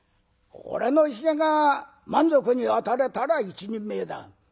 俺のひげが満足にあたれたら一人前だ。